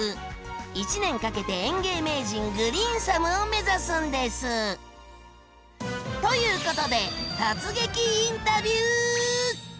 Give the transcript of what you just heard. １年かけて園芸名人「グリーンサム」を目指すんです！ということで突撃インタビュー！